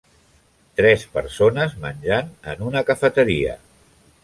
Tres persones menjant en una cafeteria